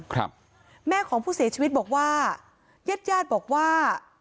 ครับแม่ของผู้เสียชีวิตบอกว่าญาติญาติบอกว่า